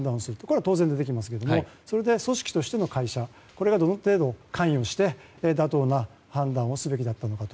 これは当然出てきますけれどもそれで組織としての会社がどの程度関与して妥当な判断をすべきだったのか。